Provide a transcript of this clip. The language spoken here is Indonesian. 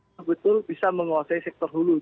sebetul bisa menguasai sektor hulu